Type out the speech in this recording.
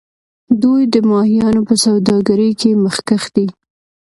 دوی د ماهیانو په سوداګرۍ کې مخکښ دي.